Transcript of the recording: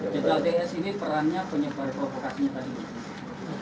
jadi jokowi ini perannya punya provokasinya tadi